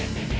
eh mbak be